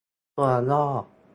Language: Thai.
ตัวย่อ